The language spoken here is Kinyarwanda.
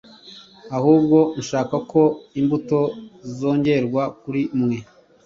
ahubwo nshaka ko imbuto zongerwa kuri mwe.